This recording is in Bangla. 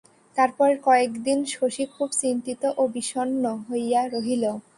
তারপর কয়েকদিন শশী খুব চিন্তিত ও বিষন্ন হইয়া রহিল।